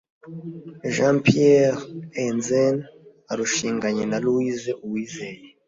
Jean Pierre Enzen arushinganye na Louise Uwizeye